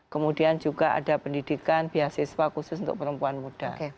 kemudian juga ada pendidikan beasiswa khusus untuk perempuan muda